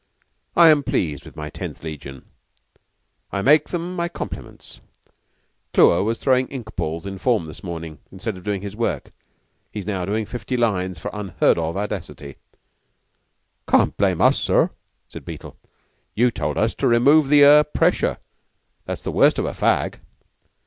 "I am pleased with my Tenth Legion. I make them my compliments. Clewer was throwing ink balls in form this morning, instead of doing his work. He is now doing fifty lines for unheard of audacity." "You can't blame us, sir," said Beetle. "You told us to remove the er pressure. That's the worst of a fag."